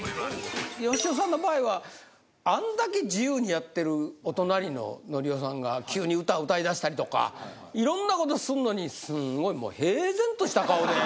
よしおさんの場合はあんだけ自由にやってるお隣ののりおさんが急に歌歌いだしたりとかいろんな事すんのにすごい。